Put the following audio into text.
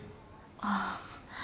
ああ。